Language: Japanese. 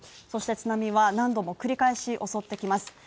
そして津波は何度も繰り返し襲ってきます。